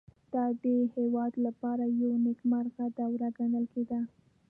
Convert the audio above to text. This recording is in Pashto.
دا د دې هېواد لپاره یوه نېکمرغه دوره ګڼل کېده